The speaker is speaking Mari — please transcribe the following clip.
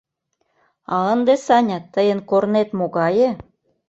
— А ынде, Саня, тыйын корнет могае?